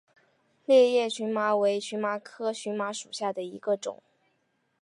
裂叶荨麻为荨麻科荨麻属下的一个种。